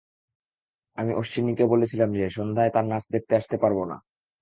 আমি অশ্বিনিকে বলেছিলাম যে, সন্ধ্যায় তাঁর নাচ দেখতে আসতে পারব না।